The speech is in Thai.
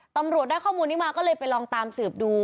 ตำรวจได้ข้อมูลนี้มาก็เลยไปลองตามสืบดู